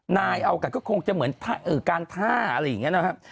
นายเอากันก็คงจะเหมือนการท่าอะไรอย่างนี้นะครับ